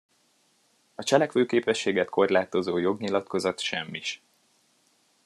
A cselekvőképességet korlátozó jognyilatkozat semmis.